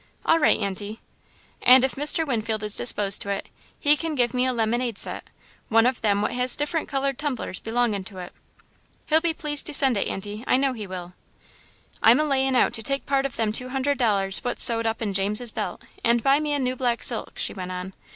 "All right, Aunty." "And if Mr. Winfield is disposed to it, he can give me a lemonade set one of them what has different coloured tumblers belongin' to it." "He'll be pleased to send it, Aunty; I know he will." "I'm a layin' out to take part of them two hundred dollars what's sewed up in James's belt, and buy me a new black silk," she went on.